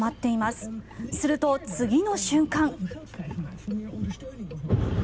すると、次の瞬間。